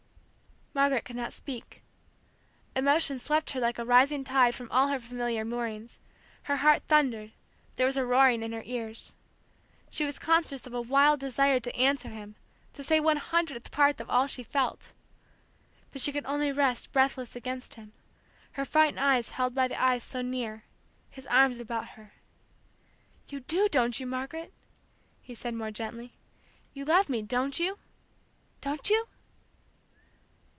Margaret could not speak. Emotion swept her like a rising tide from all her familiar moorings; her heart thundered, there was a roaring in her ears. She was conscious of a wild desire to answer him, to say one hundredth part of all she felt; but she could only rest, breathless, against him, her frightened eyes held by the eyes so near, his arms about her. "You do, don't you, Margaret?" he said more gently. "You love me, don't you? Don't you?"